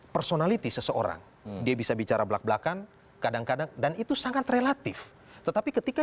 personality seseorang dia bisa bicara belak belakan kadang kadang dan itu sangat relatif tetapi ketika